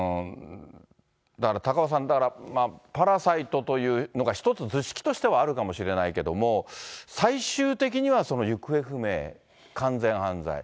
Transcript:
だから高岡さん、パラサイトというのが一つ、図式としてはあるかもしれないけど、最終的には行方不明、完全犯罪。